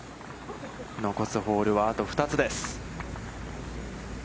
残すホールは、あと２つです。